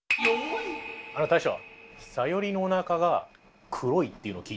あの大将。